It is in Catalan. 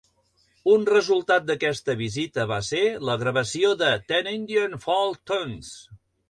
Un resultat d'aquesta visita va ser la gravació de "Ten Indian Folk Tunes".